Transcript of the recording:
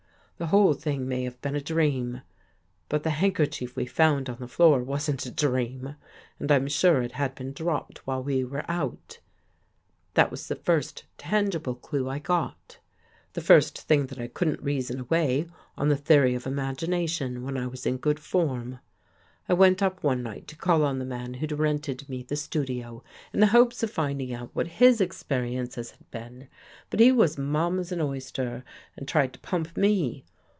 The whole thing may have been a dream. But the handkerchief we found on the floor wasn't a dream and I'm sure it had been dropped while we were out. That was the first tangible clue I got. The first thing that I couldn't reason away on the theory of imagination when I was in good form. " I went up one night to call on the man who'd rented me the studio, in the hopes of finding out what his experiences had been. But he was mum as an oyster and tried to pump me.